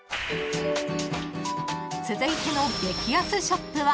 ［続いての激安ショップは］